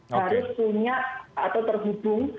harus punya atau terhubung